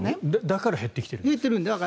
だから減ってきていると。